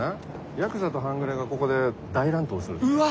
ヤクザと半グレがここで大乱闘する。